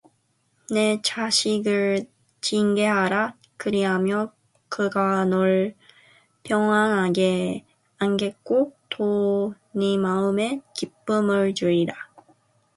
네 자식을 징계하라 그리하면 그가 너를 평안하게 하겠고 또 네 마음에 기쁨을 주리라